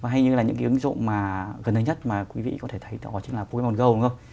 hay như là những cái ứng dụng mà gần đây nhất mà quý vị có thể thấy đó chính là pokemon go đúng không